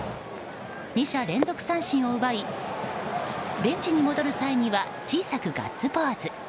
２者連続三振を奪いベンチに戻る際には小さくガッツポーズ。